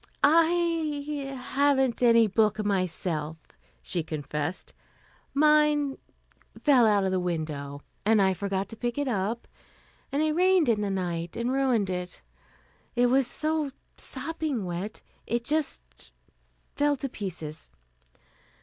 "I haven't any book, myself," she confessed. "Mine fell out of the window, and I forgot to pick it up, and it rained in the night, and ruined it. It was so sopping wet, it just fell to pieces.